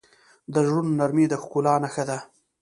د زړونو نرمي د ښکلا نښه ده.